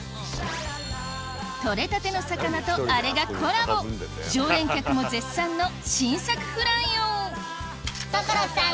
とれたての魚とあれがコラボ常連客も絶賛の新作フライを所さん